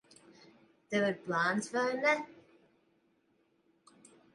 Tev ir plāns, vai ne?